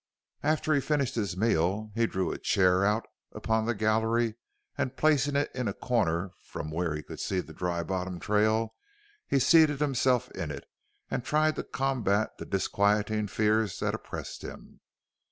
After he finished his meal he drew a chair out upon the gallery and placing it in a corner from where he could see the Dry Bottom trail he seated himself in it and tried to combat the disquieting fears that oppressed him.